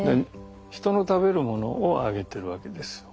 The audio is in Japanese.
人の食べるものをあげてるわけですよ。